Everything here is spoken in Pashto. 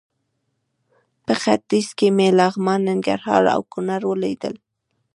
په ختیځ کې مې لغمان، ننګرهار او کونړ ولیدل.